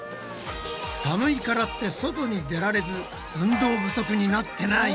寒いからって外に出られず運動不足になってない？